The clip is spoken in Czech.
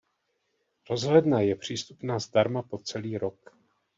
Rozhledna je přístupná zdarma po celý rok.